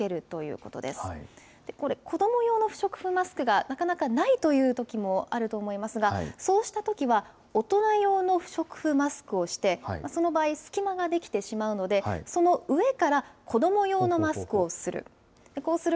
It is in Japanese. これ、子ども用の不織布マスクがなかなかないというときもあると思いますが、そうしたときは、大人用の不織布マスクをして、その場合、隙間が出来てしまうので、その上から子ども用のマスクをする。